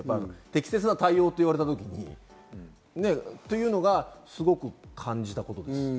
適切な対応と言われた時にというのが、すごく感じたことです。